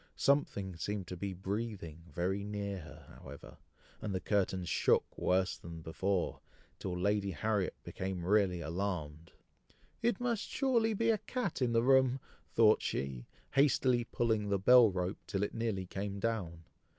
Something seemed to be breathing very near her, however, and the curtains shook worse than before, till Lady Harriet became really alarmed. "It must surely be a cat in the room!" thought she, hastily pulling the bell rope, till it nearly came down.